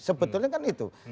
sebetulnya kan itu